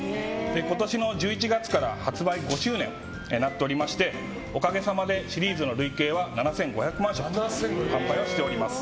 今年の１１月から発売５周年となっておりましておかげさまで、シリーズの累計は７５００万食を販売しております。